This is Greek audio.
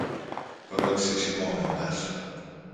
ρώτησε σιμώνοντας.